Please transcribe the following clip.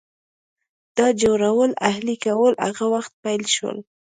د جوارو اهلي کول هغه وخت پیل شول.